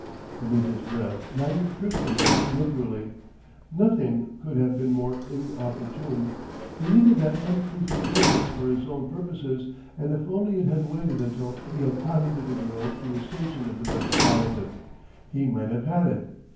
Beneath his breath Lanyard cursed the man liberally, nothing could have been more inopportune; he needed that uncouth conveyance for his own purposes, and if only it had waited until he had piloted the girl to the station of the Métropolitain, he might have had it.